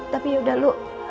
tapi yaudah lo